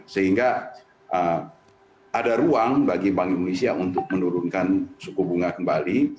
sehingga ada ruang bagi bank indonesia untuk menurunkan suku bunga kembali